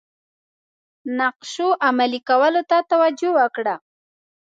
نقشو عملي کولو ته توجه وکړه.